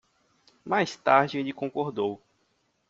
Mais tarde ele concordou